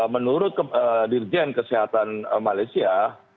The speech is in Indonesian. menurut dirjen kesehatan malaysia